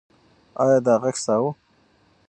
ایا دا غږ ستا و؟